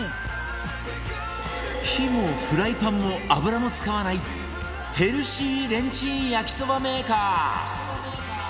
火もフライパンも油も使わないヘルシーレンチン焼きそばメーカー！